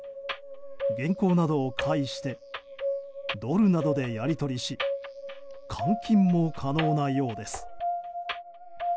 銀行などを介してドルなどでやり取りし換金も可能なようです。